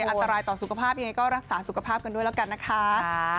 อันตรายต่อสุขภาพยังไงก็รักษาสุขภาพกันด้วยแล้วกันนะคะ